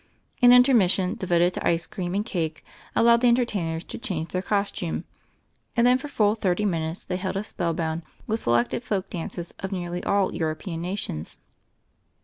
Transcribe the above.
An intermission, devoted to ice cream and cake, allowed the entertainers to change their costume: and then for full thirty minutes they held us spellbound with selected folk dances of nearly all European nations.